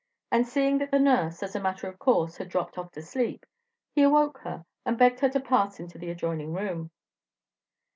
and seeing that the nurse, as a matter of course, had dropped off to sleep, he awoke her, and begged her to pass into the adjoining room.